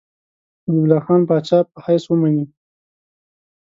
حبیب الله خان پاچا په حیث ومني.